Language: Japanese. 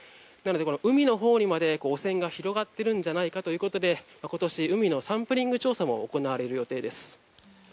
海のほうにまで汚染が広がっているんじゃないかということで今年、海のサンプリング調査も行う予定です。